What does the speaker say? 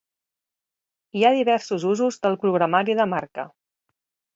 Hi ha diversos usos del programari de marca.